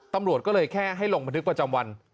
ตำรวจก็เลยแค่ให้ลงบันทึกประจำวัน